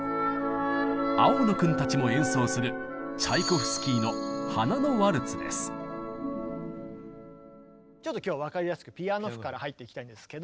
青野君たちも演奏するちょっと今日は分かりやすくピアノ譜から入っていきたいんですけども。